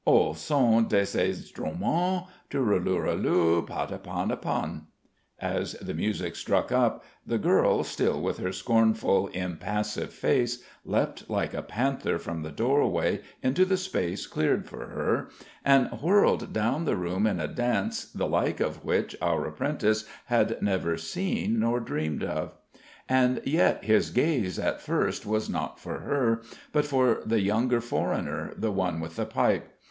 Au son de ces instruments Turelurelu, patapatapan " As the music struck up, the girl, still with her scornful, impassive face, leapt like a panther from the doorway into the space cleared for her, and whirled down the room in a dance the like of which our apprentice had never seen nor dreamed of. And yet his gaze at first was not for her, but for the younger foreigner, the one with the pipe.